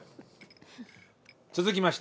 続きまして。